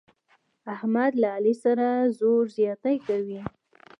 احمد له علي سره زور زیاتی کوي.